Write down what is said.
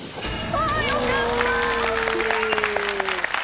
あよかった！